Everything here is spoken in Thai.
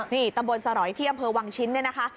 นี่ตำบลสร้อยที่อำเภอวังชิ้นเนี่ยนะคะ